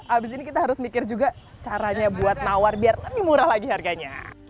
abis ini kita harus mikir juga caranya buat nawar biar lebih murah lagi harganya